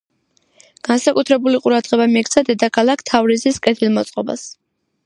განსაკუთრებული ყურადღება მიექცა დედაქალაქ თავრიზის კეთილმოწყობას.